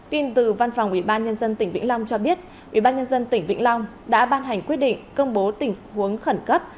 tin từ văn phòng ubnd tỉnh vĩnh long cho biết ubnd tỉnh vĩnh long đã ban hành quyết định công bố tình huống khẩn cấp